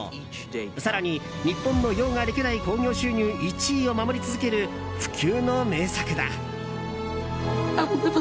更に、日本の洋画歴代興行収入１位を守り続ける不朽の名作だ。